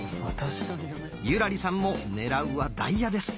優良梨さんも狙うは「ダイヤ」です。